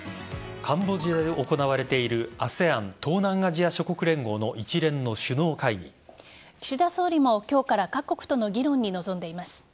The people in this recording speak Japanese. カンボジアで行われているＡＳＥＡＮ＝東南アジア諸国連合の岸田総理も今日から各国との議論に臨んでいます。